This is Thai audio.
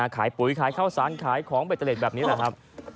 ขายปุ๋ยขายเข้าสรรค์ขายของเบ็ดเจล็ดแบบนี้แหละครับ